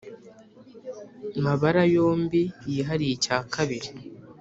Mabara yombi yihariye icya kabiri